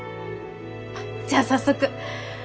じゃあ早速。